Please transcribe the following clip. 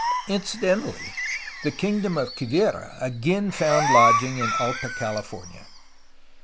Incidentally, the kingdom of Quivira again found lodging in Alta California.